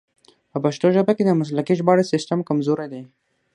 په پښتو ژبه کې د مسلکي ژباړې سیستم کمزوری دی.